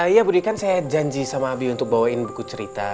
iya budi kan saya janji sama abi untuk bawain buku cerita